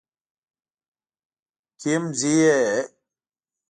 کيم ځي ئې